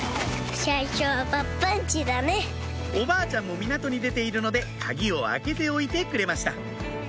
おばあちゃんも港に出ているので鍵を開けておいてくれました